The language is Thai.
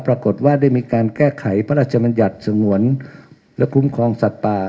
ปรากฏว่าได้มีการแก้ไขพระราชมัญญัติสงวนและคุ้มครองสัตว์ป่า